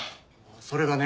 それがね